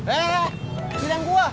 eh giliran gua